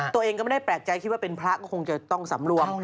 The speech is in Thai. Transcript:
ตัวเองก็ไม่ได้แปลกใจคิดว่าเป็นพระก็คงจะต้องสำรวม